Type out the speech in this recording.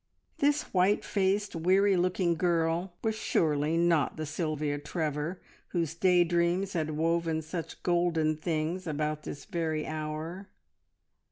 This white faced, weary looking girl was surely not the Sylvia Trevor whose day dreams had woven such golden things about this very hour.